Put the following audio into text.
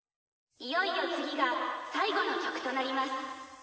いよいよ次が最後の曲となります。